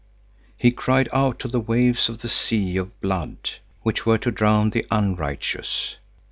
He cried out to the waves of the sea of blood, which were to drown the unrighteous.